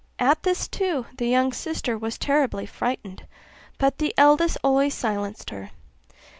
At this, too, the youngest sister was terribly frightened, but the eldest always silenced her.